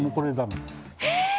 え⁉